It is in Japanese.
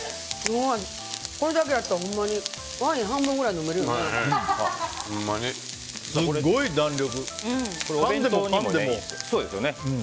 これだけだったらワイン半分ぐらい飲めるよね。